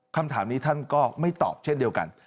คำถามนี้ท่านก็ไม่ตอบเช่นเดียวกัน